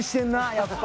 やっぱ。